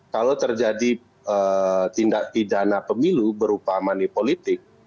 kalau terjadi tindak pidana pemilu berupa money politik